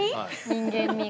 人間味が。